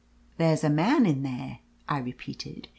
" There's a man in there,' I repeated.